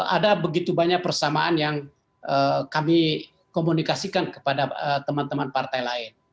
ada begitu banyak persamaan yang kami komunikasikan kepada teman teman partai lain